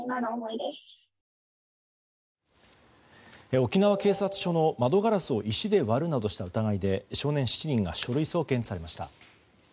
沖縄警察署の窓ガラスを石で割るなどした疑いで少年７人が書類送検されました。